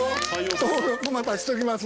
登録またしときます。